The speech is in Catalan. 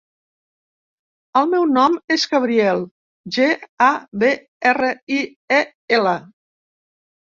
El meu nom és Gabriel: ge, a, be, erra, i, e, ela.